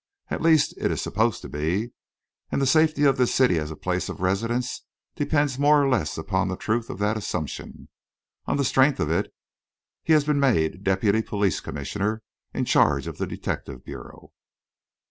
At least, it is supposed to be, and the safety of this city as a place of residence depends more or less upon the truth of that assumption. On the strength of it, he has been made deputy police commissioner, in charge of the detective bureau."